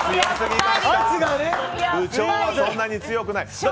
部長はそんなに強くない。